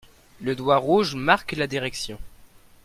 Le doigt rouge marque la direction.